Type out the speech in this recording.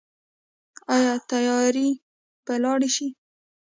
آیا تیارې به لاړې شي؟